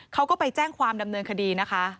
เขาก็ไปแจ้งความดำเนินคดีนะคะ